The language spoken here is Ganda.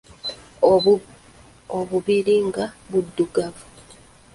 Obubiri nga buddugavu.